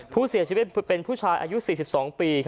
ผู้เสียชีวิตเป็นผู้ชายอายุ๔๒ปี